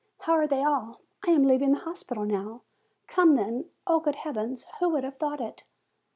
How are they all? I am leaving the hospital now. Come, then. Oh, good Heaven! Who would have thought it!"